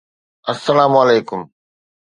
السلام عليڪم